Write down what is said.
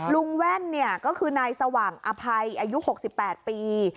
แว่นก็คือนายสว่างอภัยอายุ๖๘ปี